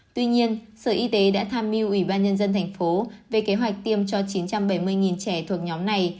tuy nhiên sở y tế đã tham mưu ủy ban nhân dân thành phố về kế hoạch tiêm cho chín trăm bảy mươi trẻ thuộc nhóm này